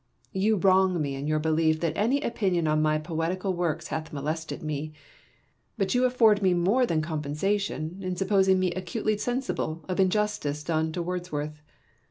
You wrong me in your belief that any opinion on my poetical works hath molested me ; but you afibrd me more than compensation in supposing me acutely sensible of injustice done to Wordsworth.